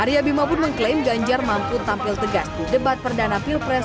arya bima pun mengklaim ganjar mahfud tampil tegas di debat perdana pilpres dua ribu dua puluh empat